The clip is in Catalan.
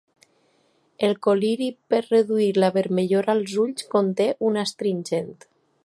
El col·liri per reduir la vermellor als ulls conté un astringent.